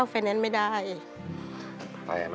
ก็แย่แล้ว